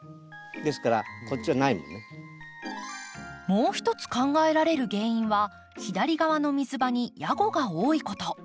もう一つ考えられる原因は左側の水場にヤゴが多いこと。